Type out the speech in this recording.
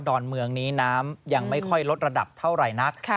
อนเมืองนี้น้ำยังไม่ค่อยลดระดับเท่าไหร่นัก